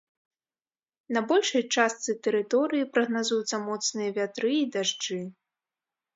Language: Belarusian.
На большай частцы тэрыторыі прагназуюцца моцныя вятры і дажджы.